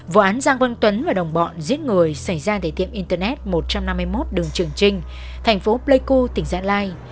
vụ án giang văn tuấn và đồng bọn giết người xảy ra tại tiệm internet một trăm năm mươi một đường trường trinh thành phố pleiku tỉnh gia lai